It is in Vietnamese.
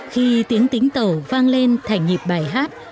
khi tiếng tính tẩu vang lên thành nhịp bài hát